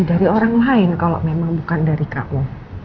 dari orang lain kalau memang bukan dari ku